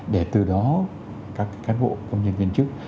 để từ đó các cán bộ công nhân viên chức